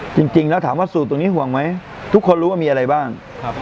จริงแล้วถามว่าสูตรตรงนี้ห่วงไหมทุกคนรู้ว่ามีอะไรบ้างครับ